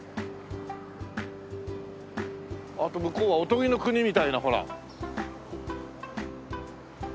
あと向こうはおとぎの国みたいなほら。